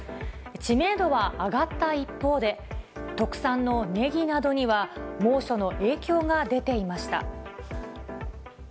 知名度は上がった一方で、特産のネギなどには猛暑の影響が出ていました。